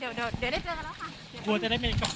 เดี๋ยวอีกนิดเดียวเสร็จแล้วค่ะเดี๋ยวเดี๋ยวได้เจอกันแล้วค่ะ